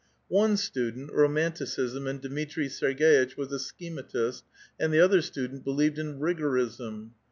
One student, romanticism, and Dmitri Serg^itch was a schematist, and the other student l)elieved in rigorism.